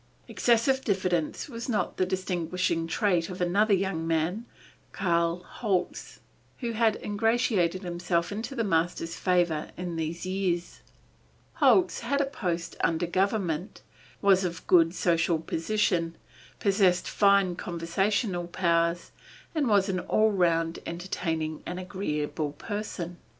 Excessive diffidence was not the distinguishing trait of another young man, Karl Holz, who had ingratiated himself into the master's favor in these years. Holz had a post under government, was of good social position, possessed fine conversational powers, and was an all round entertaining and agreeable person.